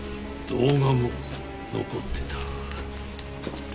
動画も残ってた。